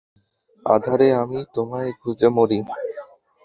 আঁধারে আমি তোমায় খুঁজে মরি।